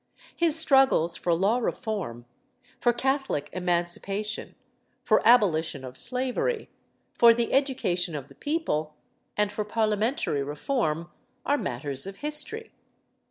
His struggles for law reform, for Catholic emancipation, for abolition of slavery, for the education of the people, and for Parliamentary reform, are matters of history.